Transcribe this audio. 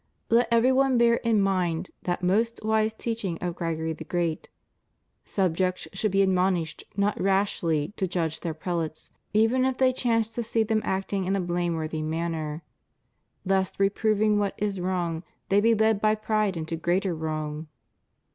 Let every one bear in mind that most wise teaching of Gregory the Great: "Subjects should be admonished not rashly to judge their prelates, even if they chance to see them acting in a blameworthy m.anner, lest reproving what is wrong, they be led by pride into greater wrong.